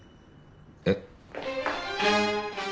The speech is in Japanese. えっ。